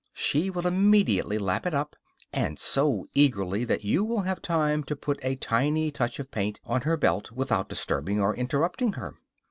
She will immediately lap it up; and so eagerly that you will have time to put a tiny touch of paint on her belt without disturbing or interrupting her.